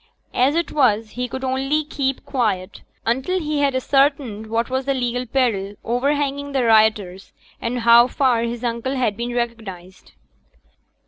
As it was, he could only keep quiet until he had ascertained what was the legal peril overhanging the rioters, and how far his uncle had been recognized.